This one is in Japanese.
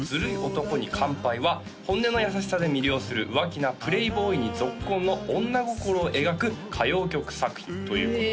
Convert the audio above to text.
男に乾杯！！」は本音の優しさで魅了する浮気なプレイボーイにぞっこんの女心を描く歌謡曲作品ということですね